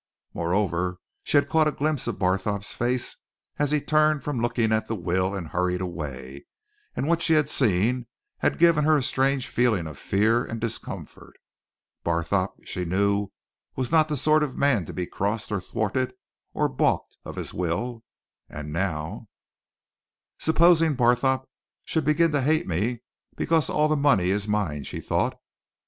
Moreover, she had caught a glimpse of Barthorpe's face as he turned from looking at the will and hurried away, and what she had seen had given her a strange feeling of fear and discomfort. Barthorpe, she knew, was not the sort of man to be crossed or thwarted or balked of his will, and now "Supposing Barthorpe should begin to hate me because all the money is mine?" she thought.